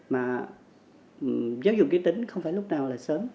mà giáo dục cái tính không phải lúc nào là sớm